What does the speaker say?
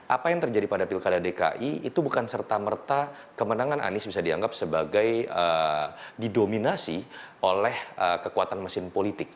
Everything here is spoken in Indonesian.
apa yang terjadi pada pilkada dki itu bukan serta merta kemenangan anies bisa dianggap sebagai didominasi oleh kekuatan mesin politik